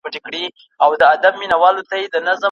کرۍ ورځ به ومه ستړی غم مي خوړ د ګودامونو